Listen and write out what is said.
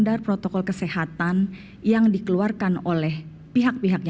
ketika berian mati campur selesai seperti ini juga menjadikannya kemampuan untuk memberi seeds jadi manusia